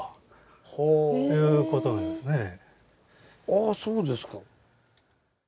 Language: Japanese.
あぁそうですか。